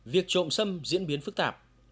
việc trộm sâm diễn biến phức tạp